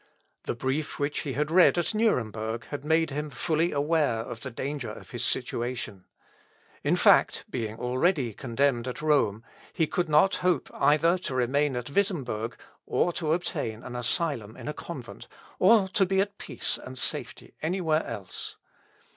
The brief which he had read at Nuremberg had made him fully aware of the danger of his situation. In fact, being already condemned at Rome, he could not hope either to remain at Wittemberg, or to obtain an asylum in a convent, or to be in peace and safety any where else.